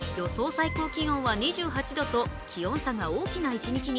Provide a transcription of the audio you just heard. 最高気温は２８度と気温差が大きな一日に。